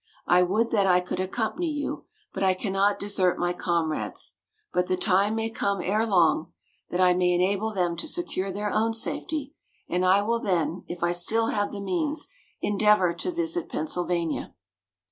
I would that I could accompany you, but I cannot desert my comrades. But the time may come ere long, that I may enable them to secure their own safety, and I will then, if I still have the means, endeavour to visit Pennsylvania."